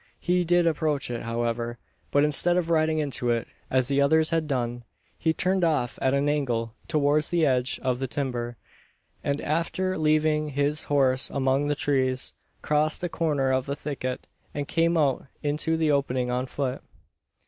He did approach it, however; but instead of riding into it, as the others had done, he turned off at an angle towards the edge of the timber; and, after leaving his horse among the trees, crossed a corner of the thicket, and came out into the opening on foot.